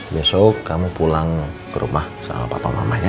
besok kamu pulang ke rumah sama papa mamanya